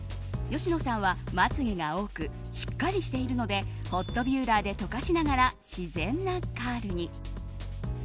芳野さんは、まつ毛が多くしっかりしているのでホットビューラーでとかしながら自然なカールに。